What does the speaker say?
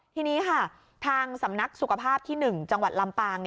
ทีนี้ค่ะทางสำนักสุขภาพที่๑จังหวัดลำปาง